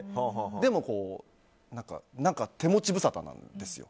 でも、手持ちぶさたなんですよ。